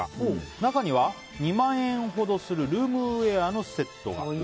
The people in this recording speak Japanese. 中には２万円ほどするルームウェアのセットが。